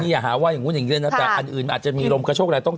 อย่าหาว่ามุดอย่างไรแต่อันอื่นมันอาจจะมีลมกระโชกแรง